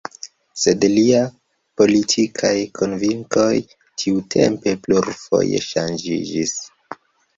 Sed lia politikaj konvinkoj tiutempe plurfoje ŝanĝiĝis.